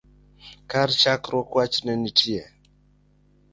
Kar chakruok wach ne ntie